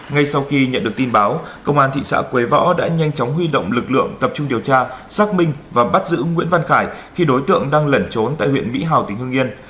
ngay sau khi nhận được tin báo công an thị xã quế võ đã nhanh chóng huy động lực lượng tập trung điều tra xác minh và bắt giữ nguyễn văn khải khi đối tượng đang lẩn trốn tại huyện mỹ hào tỉnh hương yên